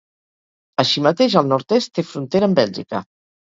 Així mateix, al nord-est té frontera amb Bèlgica.